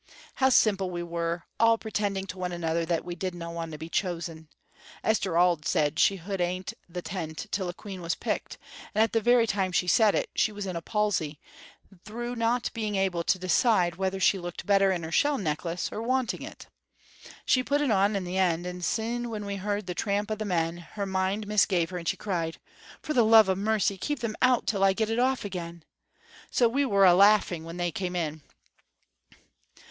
How simple we were, all pretending to one another that we didna want to be chosen! Esther Auld said she would hod ahint the tent till a queen was picked, and at the very time she said it, she was in a palsy, through no being able to decide whether she looked better in her shell necklace or wanting it. She put it on in the end, and syne when we heard the tramp o' the men, her mind misgave her, and she cried: 'For the love o' mercy, keep them out till I get it off again!' So we were a' laughing when they came in.